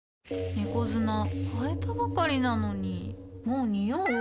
猫砂替えたばかりなのにもうニオう？